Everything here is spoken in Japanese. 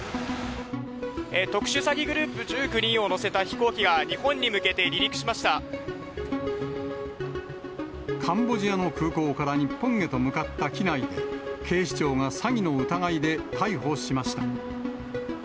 特殊詐欺グループ１９人を乗せた飛行機が、日本に向けて離陸しまカンボジアの空港から日本へと向かった機内で、警視庁が詐欺の疑いで逮捕しました。